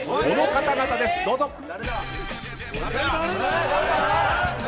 この方々です、どうぞ！